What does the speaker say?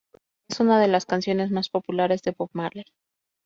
Es una de las canciones más populares de Bob Marley.